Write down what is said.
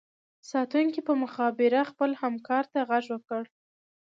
ساتونکي په مخابره خپل همکار ته غږ وکړو